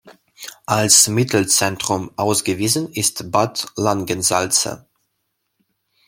Als Mittelzentrum ausgewiesen ist Bad Langensalza.